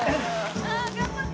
「ああ頑張って！」